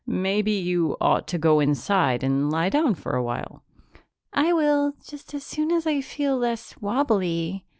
"Maybe you ought to go inside and lie down for a while." "I will, just as soon as I feel less wobbly."